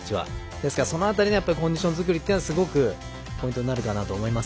ですから、その辺りのコンディション作りはすごくポイントになると思います。